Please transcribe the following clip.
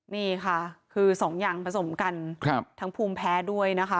นี่ค่ะคือสองอย่างผสมกันทั้งภูมิแพ้ด้วยนะคะ